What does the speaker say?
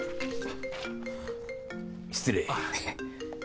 失礼。